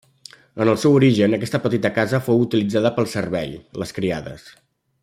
En el seu origen aquesta petita casa fou utilitzada pel servei, les criades.